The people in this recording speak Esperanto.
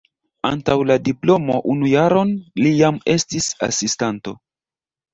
Antaŭ la diplomo unu jaron li jam estis asistanto.